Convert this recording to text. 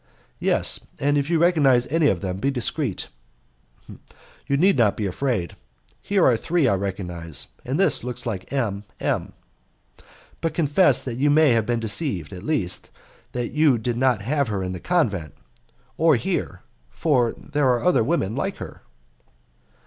"Yes, and if you recognize any of them be discreet." "You need not be afraid. Here are three I recognize, and this looks like M M ; but confess that you may have been deceived at least, that you did not have her in the convent or here, for there are women like her."